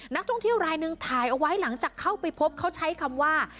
นักท่องเที่ยวรายหนึ่งถ่ายเอาไว้หลังจากเข้าไปพบเขาใช้คำว่า